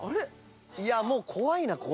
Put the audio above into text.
いやもう怖いな